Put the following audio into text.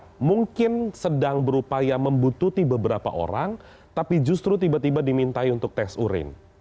saat tim kpk mungkin sedang berupaya membutuhkan beberapa orang tapi justru tiba tiba di tanyakan untuk tes urin